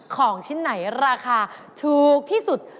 ของชิ้นไหนราคาถูกที่สุด